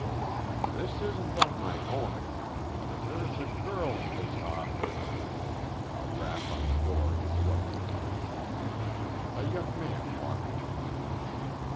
"This isn't on my own account. There's a girl in his office " A rap on the door interrupted Kirby. A young man walked into the room.